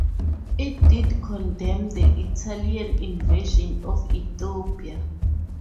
It did condemn the Italian invasion of Ethiopia.